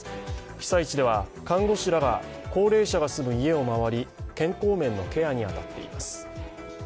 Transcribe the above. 被災地では看護師らが高齢者が住む家を回り健康面のケアに当たっています。